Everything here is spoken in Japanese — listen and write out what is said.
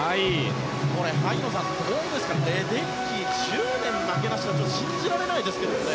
これ、萩野さん、どうですかレデッキー、１０年負けなし信じられないですけどもね。